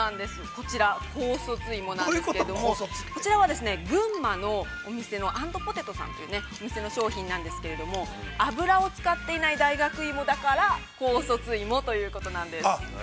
こちら、高卒芋なんですけれども、こちらは、群馬のお店のアンドポテトさんというお店なんですけれども、油を使っていない大学芋だから、高卒芋ということなんです。